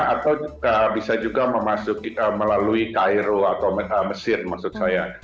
atau bisa juga melalui cairo atau mesir maksud saya